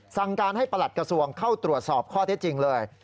สั่งการให้ประหลัดกระทรวงเข้าตรวจสอบข้อเท็จจริงเลย